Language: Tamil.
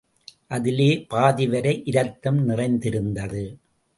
அதிலே பாதிவரை இரத்தம் நிறைந்திருந்தது.